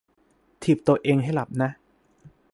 ถีบตัวเองให้หลับนะ